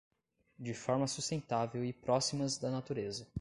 de forma sustentável e próximas da natureza.